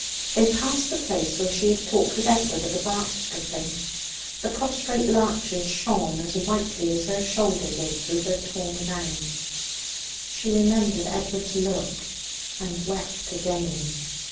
They passed the place where she had talked with Edward at the bark stripping. The prostrate larches shone as whitely as her shoulder did through her torn gown. She remembered Edward's look, and wept again.